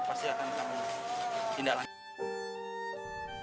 pasti akan kami tindaklanjuti